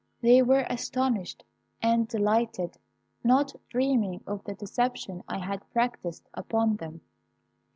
They were astonished and delighted, not dreaming of the deception I had practised upon them.